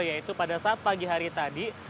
yaitu pada saat pagi hari tadi